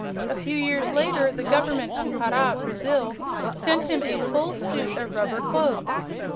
A few years later the Government of Para, Brazil, sent him a full suit of rubber clothes.